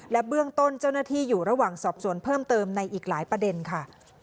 และเบื้องต้นเจ้าหน้าที่อยู่ระหว่างสอบสวนเพิ่มเติมในอีกหลายประเด็นค่ะ